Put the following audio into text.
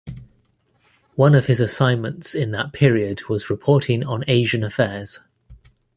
One of his assignments in that period was reporting on Asian affairs.